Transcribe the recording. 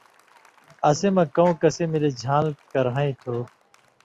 اسی مہ کؤں کسی مِلیۡ ژھان٘ل کر ہَیں تُھو،